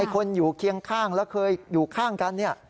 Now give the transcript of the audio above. คนอยู่เคียงข้างแล้วเคยอยู่ข้างกัน